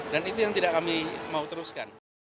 dan itu yang tidak kami mau teruskan